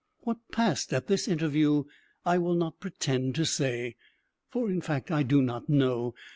What passed at this interview I will not pretend to say, for in fact I do not know.